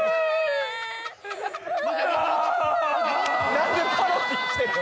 何でパロってきてんの？